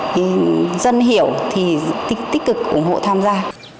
dân hiểu thì tích cực ủng hộ tham gia